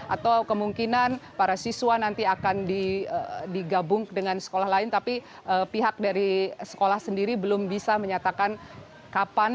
atau kemungkinan para siswa nanti akan digabung dengan sekolah lain tapi pihak dari sekolah sendiri belum bisa menyatakan kapan